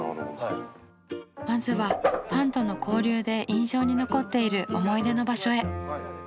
まずはファンとの交流で印象に残っている思い出の場所へ。